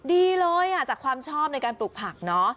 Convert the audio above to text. ดีเลยจากความชอบในการปลูกผักเนอะ